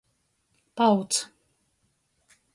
Pauts.